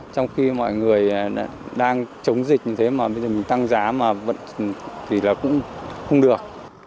trong khi mọi người đang chống dịch như thế mà bây giờ mình tăng giá mà thì là cũng không được